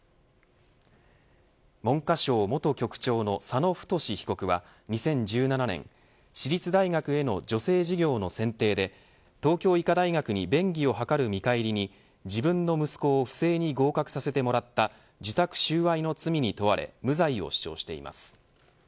文科省元局長の佐野太被告は２０１７年私立大学への助成事業の選定で東京医科大学に便宜を図る見返りに自分の息子を不正に合格させてもらった受託収賄の罪に問われ無罪を主張しています。